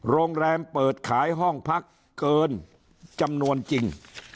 โรงแรมเปิดขายห้องพักเกินจำนวนจริง